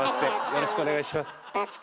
よろしくお願いします。